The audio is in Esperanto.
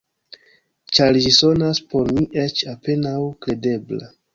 Ĉar ĝi sonas por mi eĉ apenaŭ kredebla.